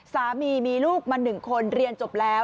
สามีมีลูกมา๑คนเรียนจบแล้ว